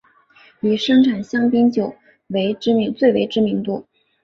以生产香槟酒最为知名。